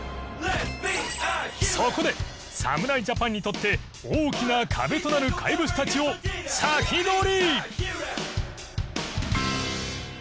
そこで侍ジャパンにとって大きな壁となる怪物たちをサキドリ！